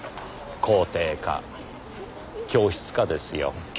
校庭か教室かですよ。